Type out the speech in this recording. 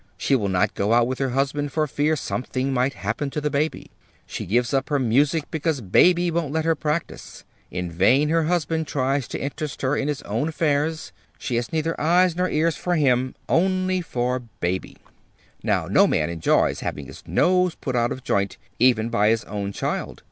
She will not go out with her husband for fear something might happen to the baby. She gives up her music because baby won't let her practice. In vain her husband tries to interest her in his own affairs. She has neither eyes nor ears for him, only for baby. "Now no man enjoys having his nose put out of joint, even by his own child.